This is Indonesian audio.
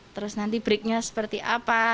terus nanti breaknya seperti apa